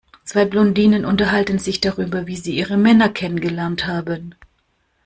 Zwei Blondinen unterhalten sich darüber, wie sie ihre Männer kennengelernt haben.